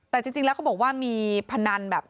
แต่จริงแล้วเขาบอกว่ามีพนันแบบ